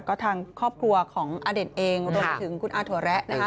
ก็ทางครอบครัวของอเด็นเองรวมถึงคุณอาถุระแระ